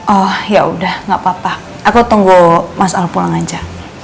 oh yaudah gak apa apa aku tunggu mas al pulang aja